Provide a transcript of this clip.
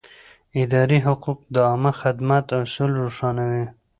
اداري حقوق د عامه خدمت اصول روښانوي.